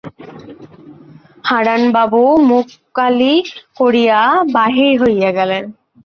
হারানবাবু মুখ কালি করিয়া বাহির হইয়া গেলেন।